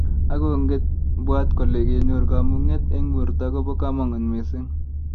ak onge bwat kole kenyor kamunget eng borto kobo kamangut mising